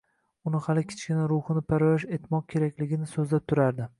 uning hali kichkina ruhini parvarish etmoq kerakligini so‘zlab turardi.